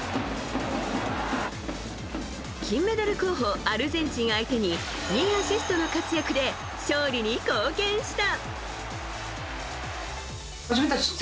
金メダル候補アルゼンチン相手に２アシストの活躍で勝利に貢献した。